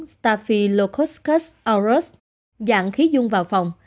staphylococcus aureus dạng khí dung vào phòng